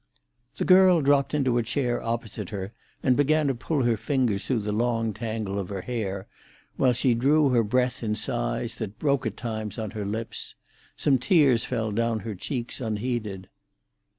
The girl dropped into a chair opposite her, and began to pull her fingers through the long tangle of her hair, while she drew her breath in sighs that broke at times on her lips; some tears fell down her cheeks unheeded.